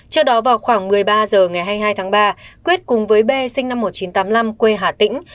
trước đó vào khoảng một mươi ba h ngày hai mươi hai tháng ba quyết cùng với b sinh năm một nghìn chín trăm tám mươi năm quê hà tĩnh